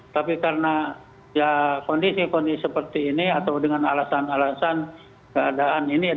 tapi karena ya kondisi kondisi seperti ini atau dengan alasan alasan keadaan ini